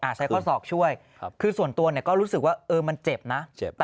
ใช้ข้อศอกช่วยคือส่วนตัวเนี่ยก็รู้สึกว่ามันเจ็บนะ